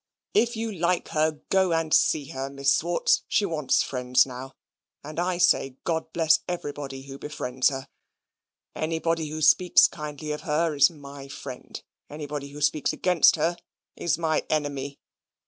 If you like her, go and see her, Miss Swartz; she wants friends now; and I say, God bless everybody who befriends her. Anybody who speaks kindly of her is my friend; anybody who speaks against her is my enemy.